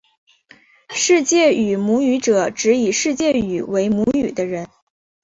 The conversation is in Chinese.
世界语母语者指以世界语为母语的人。